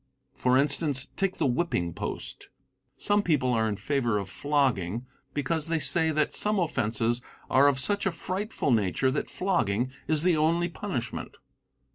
For instance, take the whipping post. Some people are in favor of flogging because they say that some offences are of such a frightful nature that flogging is the only punishment.